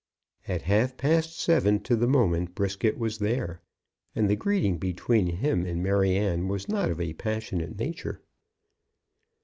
At half past seven to the moment Brisket was there, and the greeting between him and Maryanne was not of a passionate nature.